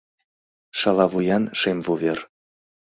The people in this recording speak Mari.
Шала вуян шем вувер